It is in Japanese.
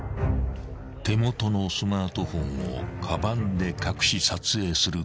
［手元のスマートフォンをかばんで隠し撮影する巧妙な手口］